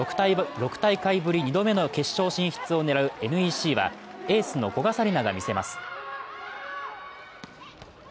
６大会ぶり２度目の決勝進出を狙うＮＥＣはエースの古賀紗理那が見せます。